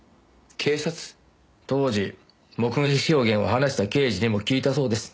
当時目撃証言を話した刑事にも聞いたそうです。